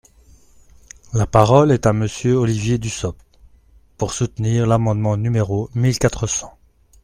La parole est à Monsieur Olivier Dussopt, pour soutenir l’amendement numéro mille quatre cents.